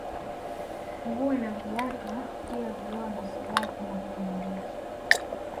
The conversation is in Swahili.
Nguo na viatu pia vioo na silaha kama vile bunduki